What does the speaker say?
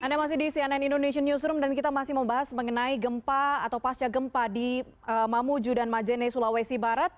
anda masih di cnn indonesian newsroom dan kita masih membahas mengenai gempa atau pasca gempa di mamuju dan majene sulawesi barat